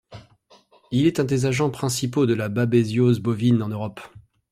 Il est un des agents principaux de la babésiose bovine en Europe.